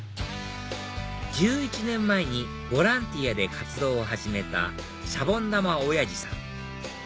１１年前にボランティアで活動を始めたシャボン玉オヤジさん